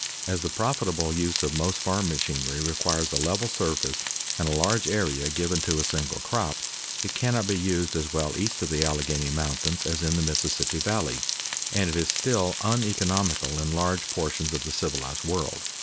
As the profitable use of most farm machinery requires a level surface and a large area given to a single crop, it cannot be used as well east of the Alleghany Mountains as in the Mississippi Valley, and it is still uneconomical in large portions of the civilized world.